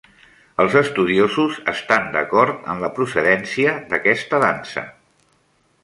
Els estudiosos estan d'acord en la procedència d'aquesta dansa.